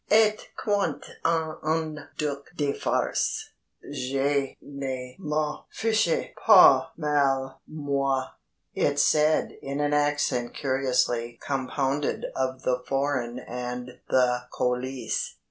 "Et quant à un duc de farce, je ne m'en fiche pas mal, moi," it said in an accent curiously compounded of the foreign and the coulisse.